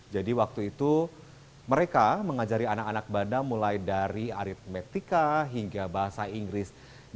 jadi waktu itu mereka mengajari anak anak banda mulai dari aritmetika hingga bahasa inggris